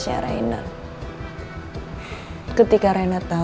ya ini lagi atuk